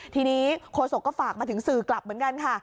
ทีนี้โฆษกก็ฝากมาถึงสื่อกลับเหมือนกันค่ะ